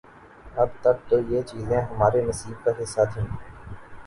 اب تک تو یہ چیزیں ہمارے نصیب کا حصہ تھیں۔